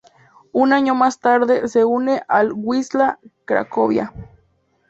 Un año más tarde se une al Wisła Cracovia.